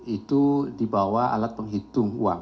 itu dibawa alat penghitung uang